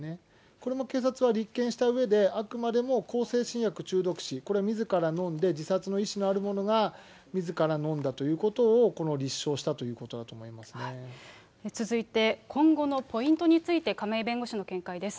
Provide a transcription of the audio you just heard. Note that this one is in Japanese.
これも警察は立件したうえで、あくまでも向精神薬中毒死、これはみずから飲んで、自殺の意思がある者がみずから飲んだということを立証したという続いて、今後のポイントについて、亀井弁護士の見解です。